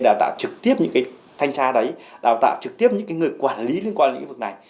đào tạo trực tiếp những cái thanh tra đấy đào tạo trực tiếp những người quản lý liên quan đến lĩnh vực này